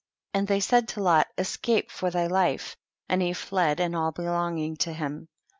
50. And they said to Lot, escape for thy life, and he fled and all be longing to him.